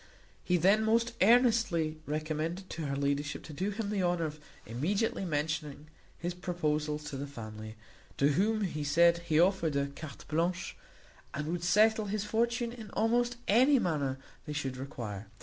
He then most earnestly recommended to her ladyship to do him the honour of immediately mentioning his proposals to the family; to whom he said he offered a carte blanche, and would settle his fortune in almost any manner they should require.